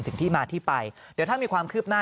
ถึงที่มาที่ไปเดี๋ยวถ้ามีความคืบหน้า